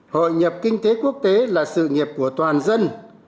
hội nhập kinh tế quốc tế là sự nghiệp của toàn dân